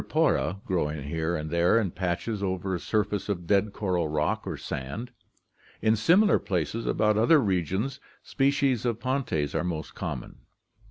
cribripora), growing here and there in patches over a surface of dead coral rock or sand. In similar places about other regions species of Pontes are most common.'